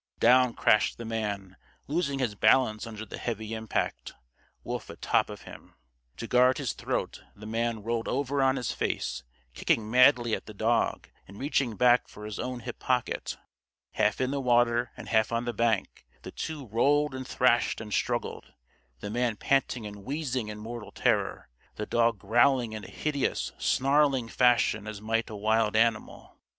Down crashed the man, losing his balance under the heavy impact; Wolf atop of him. To guard his throat, the man rolled over on his face, kicking madly at the dog, and reaching back for his own hip pocket. Half in the water and half on the bank, the two rolled and thrashed and struggled the man panting and wheezing in mortal terror; the dog growling in a hideous, snarling fashion as might a wild animal.